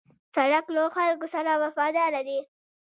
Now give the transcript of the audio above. سړک له خلکو سره وفاداره دی.